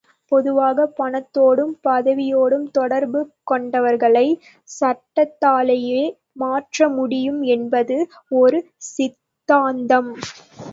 பொதுவாக, பணத்தோடும் பதவியோடும் தொடர்பு கொண்டவர்களைச் சட்டத்தாலேயே மாற்றமுடியும் என்பது ஒரு சித்தாந்தம்.